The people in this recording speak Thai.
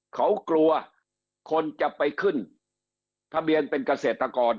เขากลัวคนจะไปขึ้นทะเบียนเป็นเกษตรกรโดยไม่ใช่เกษตรกรจริง